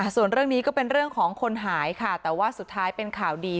ส่วนเรื่องนี้ก็เป็นเรื่องของคนหายค่ะแต่ว่าสุดท้ายเป็นข่าวดี